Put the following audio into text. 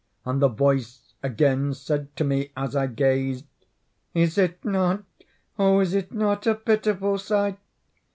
And the voice again said to me as I gazed: "Is it not—oh! is it not a pitiful sight?"